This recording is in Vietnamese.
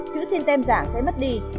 chữ trên tem giả sẽ mất đi